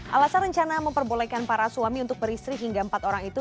alasan rencana memperbolehkan para suami untuk beristri hingga empat orang itu